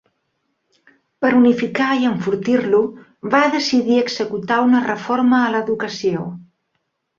Per unificar i enfortir-lo, va decidir executar una reforma a l'educació.